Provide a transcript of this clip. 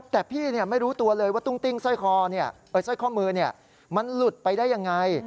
แต่พี่ไม่รู้ตัวเลยว่าตุ้งติ้งสร้อยคอสร้อยข้อมือมันหลุดไปได้ยังไง